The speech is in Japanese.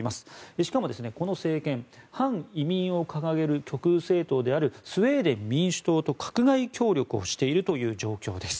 しかも、この政権反移民を掲げる極右政党であるスウェーデン民主党と閣外協力をしている状況です。